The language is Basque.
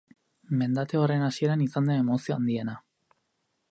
Mendate horren hasieran izan da emozio handiena.